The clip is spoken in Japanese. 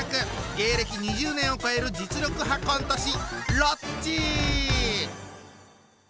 芸歴２０年を超える実力派コント師！